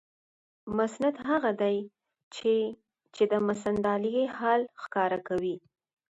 مسند هغه دئ، چي چي د مسندالیه حال ښکاره کوي.